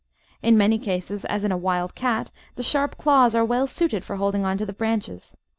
In many cases, as in a wild cat, the sharp claws are well suited for holding on to the branches.